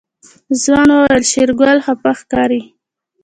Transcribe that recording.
ځوان وويل شېرګل خپه ښکاري.